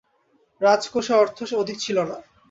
রাজকোষে অর্থ অধিক ছিল না।